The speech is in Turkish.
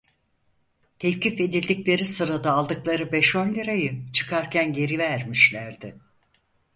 Tevkif edildiği sırada aldıkları beş on lirayı çıkarken geri vermişlerdi.